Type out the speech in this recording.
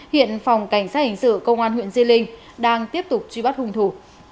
hiện phòng cảnh sát hình sự công an huyện di linh đang tiếp tục truy bắt hung thủ